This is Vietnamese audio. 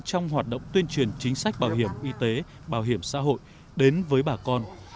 trong hoạt động tuyên truyền chính sách bảo hiểm y tế bảo hiểm xã hội đến với bà con